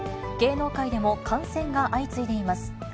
芸能界でも感染が相次いでいます。